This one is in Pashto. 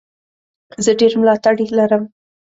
زه ډېر ملاتړي لرم.